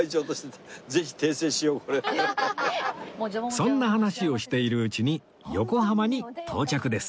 そんな話をしているうちに横浜に到着です